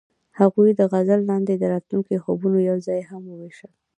هغوی د غزل لاندې د راتلونکي خوبونه یوځای هم وویشل.